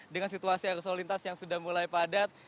dengan situasi arus olintas yang sudah mulai padat